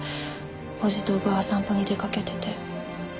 叔父と叔母は散歩に出かけてて。